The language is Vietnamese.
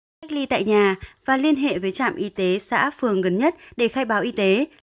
cách ly tại nhà và liên hệ với trạm y tế xã phường gần nhất để khai báo y tế